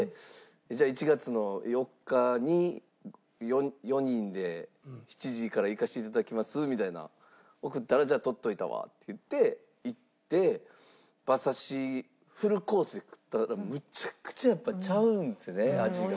「じゃあ１月の４日に４人で７時から行かせていただきます」みたいな送ったら「じゃあ取っといたわ」って言って行って馬刺しフルコースで食ったらむちゃくちゃやっぱちゃうんですね味が。